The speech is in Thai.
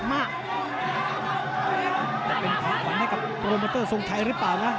แต่เป็นความสดเหมือนกับโปรโมเมอเตอร์ทรงไทยรึเปล่านะ